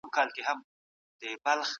کمین کي ناست دي، تر څو موږ پکښي ډوب کړي او